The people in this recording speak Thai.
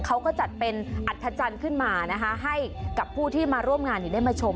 เขาก็จัดเป็นอัธจันทร์ขึ้นมานะคะให้กับผู้ที่มาร่วมงานได้มาชม